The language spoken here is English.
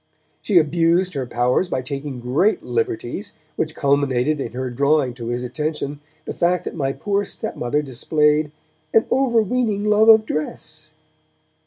She abused her powers by taking great liberties, which culminated in her drawing his attention to the fact that my poor stepmother displayed 'an overweening love of dress'.